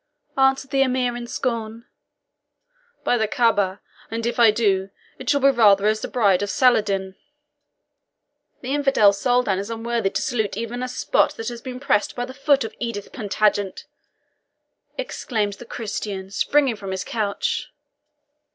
answered the Emir in scorn; "by the Caaba, and if I do, it shall be rather as the bride of Saladin." "The infidel Soldan is unworthy to salute even a spot that has been pressed by the foot of Edith Plantagenet!" exclaimed the Christian, springing from his couch.